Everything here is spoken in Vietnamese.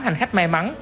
tám hành khách may mắn